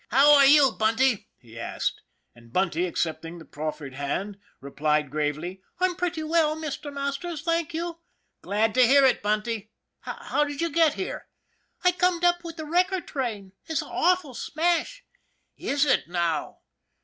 " How are you, Bunty ?" he asked. And Bunty, accepting the proffered hand, replied gravely :" I'm pretty well, Mr. Masters, thank you." " Glad to hear it, Bunty. How did you get here ?"" I corned up with the wrecker train. It's a' awful smash." " Is it, now